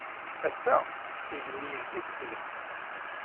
Ass-a, igenni idel-it usigna.